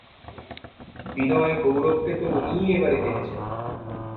বিনয়-গৌরকে তো উনিই এ বাড়িতে এনেছেন।